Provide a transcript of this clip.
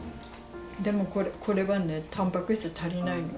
でもこれはねたんぱく質足りないのよ